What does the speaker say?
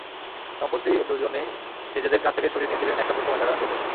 সম্প্রতি দুজনেই নিজেদের কাজ থেকে ছুটি নিয়েছিলেন একসঙ্গে সময় কাটাবেন বলে।